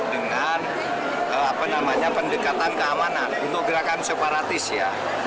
dengan pendekatan keamanan untuk gerakan separatis ya